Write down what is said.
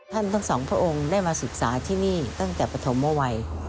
ทั้งสองพระองค์ได้มาศึกษาที่นี่ตั้งแต่ปฐมเมื่อวัย